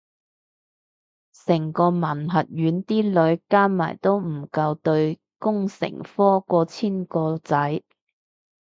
成個文學院啲女加埋都唔夠對工程科過千個仔